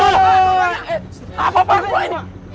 eh apa apaan gua ini